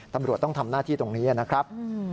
ตำรวจต้องทำหน้าที่ตรงนี้นะครับ